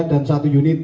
dan satu unit